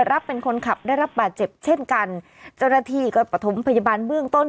รับเป็นคนขับได้รับบาดเจ็บเช่นกันเจ้าหน้าที่ก็ประถมพยาบาลเบื้องต้น